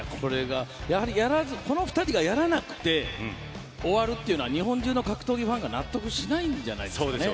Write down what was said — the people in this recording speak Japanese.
この２人がやらなくて終わるというのは日本中の格闘技ファンが納得しないんじゃないんですかね。